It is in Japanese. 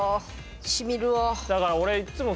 しみるわ。